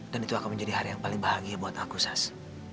dan itu akan menjadi hari yang paling bahagia buat aku sas